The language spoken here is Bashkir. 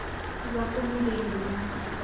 Заты ниҙә инде бының?